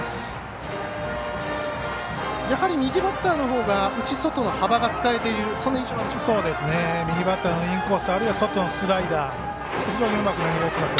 やはり右バッターのほうが内、外の幅が使えている右バッターのインコースあるいは外のスライダー非常にうまく投げています。